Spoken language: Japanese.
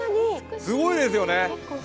すごいですよね。